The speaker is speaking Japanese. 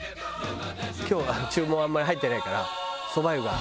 「今日注文あんまり入ってないからそば湯が」。